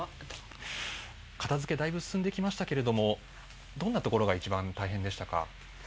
片付けだいぶ進んできましたけれども、どんなところが一番大変でしたか？